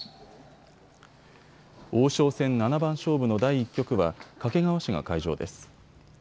王将戦七番勝負の第１局は掛川市が会場です。